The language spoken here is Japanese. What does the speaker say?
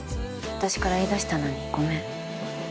私から言い出したのにごめん。